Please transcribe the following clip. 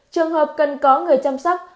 trường hợp cần có người chăm sóc